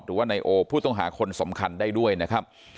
หรือว่านายโอผู้ต้องหาคนสำคัญได้ด้วยนะครับ